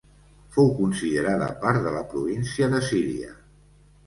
Fou considerada part de la província de Síria.